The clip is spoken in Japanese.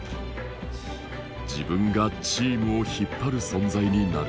自分がチームを引っ張る存在になる。